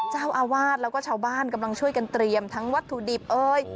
เจ้าอาวาสแล้วก็ชาวบ้านกำลังช่วยกันเตรียมทั้งวัตถุดิบเอ้ย